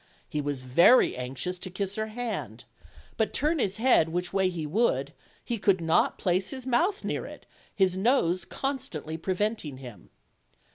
He was very anxious to kiss her hand, but turn his head which way he would, he could not place his mouth near it, his nose constantly preventing him.